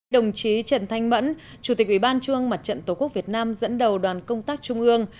đồng chí trần thanh mẫn chủ tịch ủy ban trung mặt trận tổ quốc việt nam dẫn đầu đoàn công tác trung ương